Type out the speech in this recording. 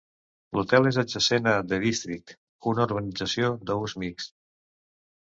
L'hotel és adjacent a The District, una urbanització d'ús mixt.